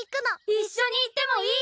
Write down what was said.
一緒に行ってもいい？